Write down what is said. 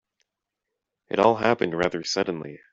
It all happened rather suddenly.